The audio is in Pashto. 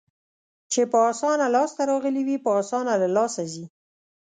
چې په اسانه لاس ته راغلي وي، په اسانه له لاسه ځي.